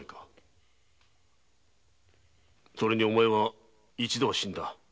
それにお前は一度は死んだ。